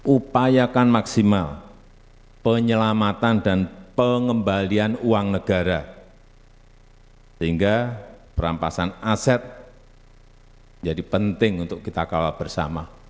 upayakan maksimal penyelamatan dan pengembalian uang negara sehingga perampasan aset menjadi penting untuk kita kawal bersama